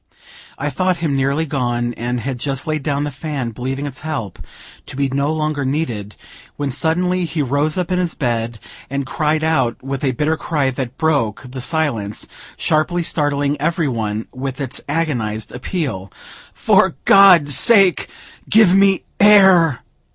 I thought him nearly gone, and had just laid down the fan, believing its help to be no longer needed, when suddenly he rose up in his bed, and cried out with a bitter cry that broke the silence, sharply startling every one with its agonized appeal: "For God's sake, give me air!"